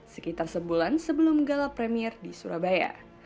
sekitar sebulan sebelum galap premiere di surabaya